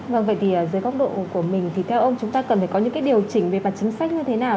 vâng vậy thì dưới góc độ của mình thì theo ông chúng ta cần phải có những cái điều chỉnh về mặt chính sách như thế nào